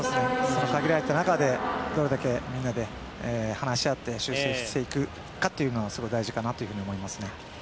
その限られた中でどれだけみんなで話し合って、修正していくかがすごい大事かなと思いますね。